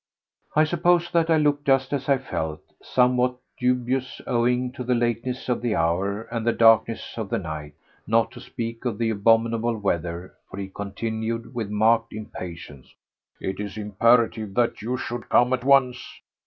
I suppose that I looked just as I felt—somewhat dubious owing to the lateness of the hour and the darkness of the night, not to speak of the abominable weather, for he continued with marked impatience: "It is imperative that you should come at once.